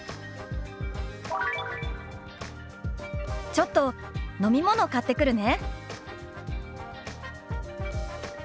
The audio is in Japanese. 「ちょっと飲み物買ってくるね」。